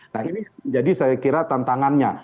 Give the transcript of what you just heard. nah ini jadi saya kira tantangannya